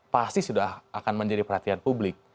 pasti sudah akan menjadi perhatian publik